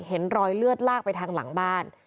เห็นรอยเลือดลากไปทางหลังบ้าน